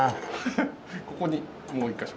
ここにもう１カ所。